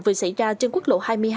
vừa xảy ra trên quốc lộ hai mươi hai